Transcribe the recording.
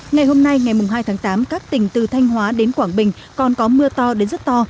ngày hôm nay ngày hai tháng tám các tỉnh từ thanh hóa đến quảng bình còn có mưa to đến rất to